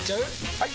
・はい！